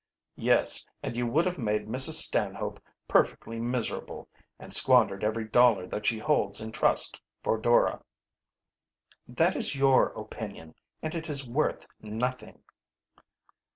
"Yes, and you would have made Mrs. Stanhope perfectly miserable, and squandered every dollar that she holds in trust for Dora." "That is your opinion, and it is worth nothing."